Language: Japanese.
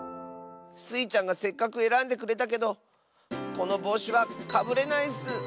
スイちゃんがせっかくえらんでくれたけどこのぼうしはかぶれないッス。